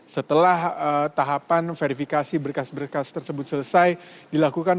setelah tahapan verifikasi berkas berkas tersebut selesai dilakukan